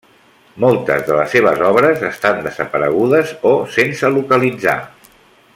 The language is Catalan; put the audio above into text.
Moltes de les seves obres estan desaparegudes o sense localitzar.